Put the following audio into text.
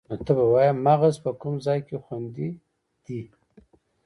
مغز په کوم ځای کې خوندي دی